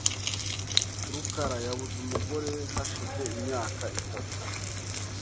rukara yabuze umugore we hashize imyaka itatu .